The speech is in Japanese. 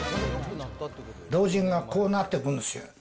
老人はこうなってくるんですよ。